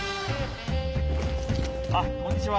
あっこんにちは！